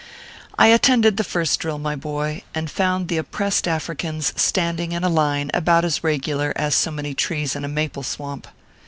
I attended the first drill, my boy, and found the oppressed Africans standing in a line about as regular as so many trees in a maple swamp.